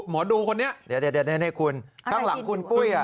หมอดูคนนี้เดี๋ยวคุณข้างหลังคุณปุ้ย